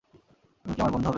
তুমি কি আমার বন্ধু হবে?